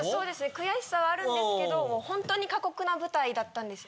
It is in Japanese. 悔しさはあるんですけどホントに過酷な舞台だったんですよ。